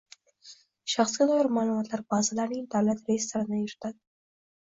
Shaxsga doir ma’lumotlar bazalarining davlat reyestrini yuritadi;